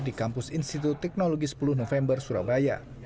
di kampus institut teknologi sepuluh november surabaya